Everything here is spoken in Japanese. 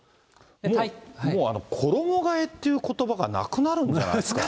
もう衣がえっていうことばがなくなるんじゃないですか。